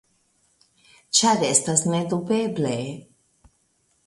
Ĉar estas nedubeble.